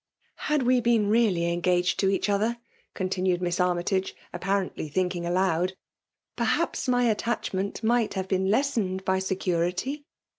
*' ^*Had we been really engaged to each otiier," continued Miss Armytage, apparently thinking aloud, '* perhaps my attachment ^ight have been lessened by security.